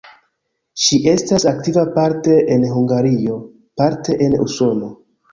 Ŝi estas aktiva parte en Hungario, parte en Usono.